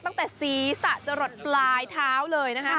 ตั้งแต่ซีซจะหล่อนปลายเท้าเลย